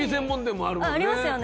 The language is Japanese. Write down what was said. ありますよね。